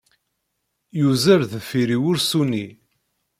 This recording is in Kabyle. Yuzzel-d deffir-i wursu-nni.